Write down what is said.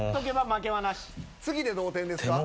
次で同点ですか。